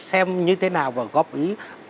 xem như thế nào và góp ý